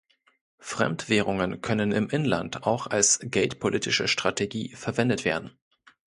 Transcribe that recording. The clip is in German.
Fremdwährungen können im Inland auch als geldpolitische Strategie verwendet werden.